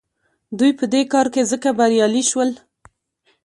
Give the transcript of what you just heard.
دوی په دې کار کې ځکه بریالي شول.